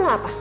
aku mau apa